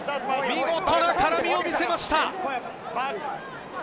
見事なからみを見せました。